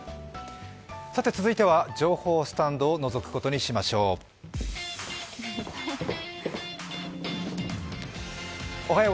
続いては情報スタンドをのぞくことにしましょう。